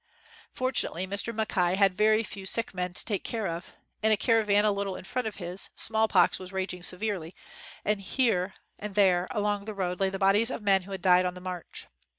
Fortunately, Mr. Mackay had very few sick men to take care of. In a caravan a ,41 WHITE MAN OF WORK little in front of his, smallpox was raging severely, and here and there along the road lay the bodies of men who had died on the march.